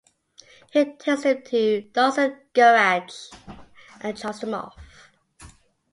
He takes them to Dawson's Garage and drops them off.